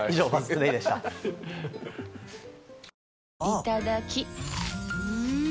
いただきっ！